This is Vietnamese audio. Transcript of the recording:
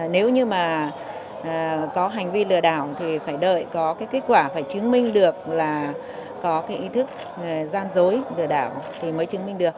nếu như mà có hành vi lừa đảo thì phải đợi có cái kết quả phải chứng minh được là có cái ý thức gian dối lừa đảo thì mới chứng minh được